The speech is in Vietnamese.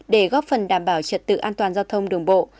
để góp phần đảm bảo trật tự an toàn giao thông đường bộ